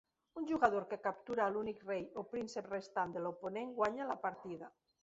Un jugador que captura l'únic rei o príncep restant de l'oponent guanya la partida.